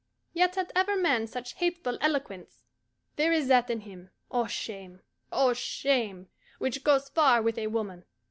Yet had ever man such hateful eloquence! There is that in him oh, shame! oh, shame! which goes far with a woman.